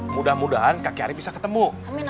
mudah mudahan kakek ari bisa ketemu